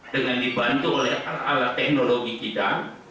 dengan dibantu oleh alat alat teknologi kita